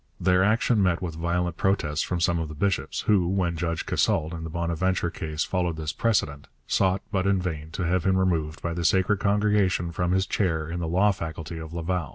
Their action met with violent protests from some of the bishops, who, when Judge Casault in the Bonaventure case followed this precedent, sought, but in vain, to have him removed by the Sacred Congregation from his chair in the law faculty of Laval.